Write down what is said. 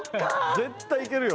絶対いけるよ